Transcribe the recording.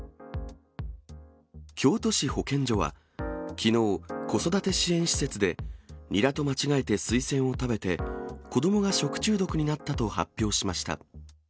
京都市保健所は、きのう、子育て支援施設で、ニラと間違えてスイセンを食べて、子どもが食中毒になったと発表しました。